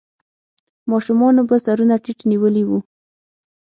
ماشومانو به سرونه ټيټ نيولې وو.